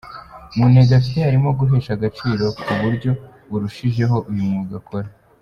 Mu ntego afite harimo guhesha agaciro kuburyo burushijeho uyu mwuga akora.